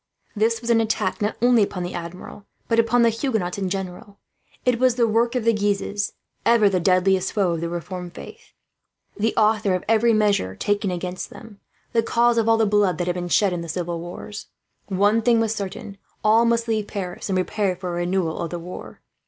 This was an attack not only upon the Admiral but upon the Huguenots in general. It was the work of the Guises, ever the deadliest foes of the Reformed faith the authors of every measure taken against them, the cause of all the blood that had been shed in the civil wars. One thing was certain: all must leave Paris, and prepare for a renewal of the war.